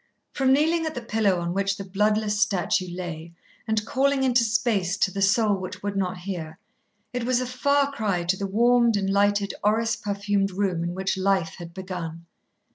From kneeling at the pillow on which the bloodless statue lay, and calling into space to the soul which would not hear, it was a far cry to the warmed and lighted orris perfumed room in which Life had begun.